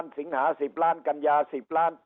สิงหากัญญา